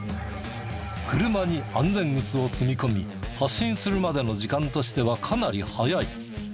車に安全靴を積み込み発進するまでの時間としてはかなり早い。